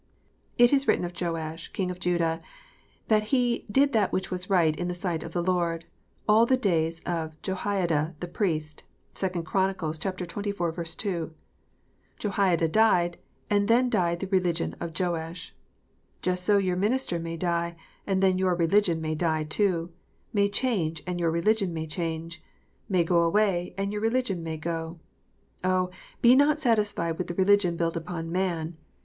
It is written of Joash, King of Judah, that he " did that which was right in the sight of the Lord all the days of Jehoiada the priest." (2 Chron. xxiv. 2.) Jehoiada died, and then died the religion of Joash. Just so your minister may die, and then your religion may die too ; may change, and your religion may change ; may go away, and your religion may go. Oh, be not satisfied with a religion built upon man